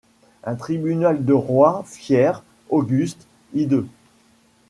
Un tribunal de rois, fier, auguste, hideux